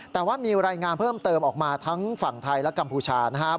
แต่ว่ามีรายงานเพิ่มเติมออกมาทั้งฝั่งไทยและกัมพูชานะครับ